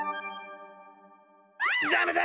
ダメだ！